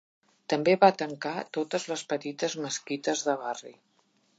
També va tancar totes les petites mesquites de barri.